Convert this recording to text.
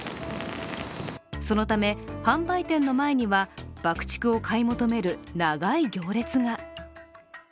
そのため、販売店の前には爆竹を買い求める長い行列が。